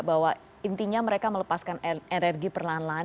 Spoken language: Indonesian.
bahwa intinya mereka melepaskan energi perlahan lahan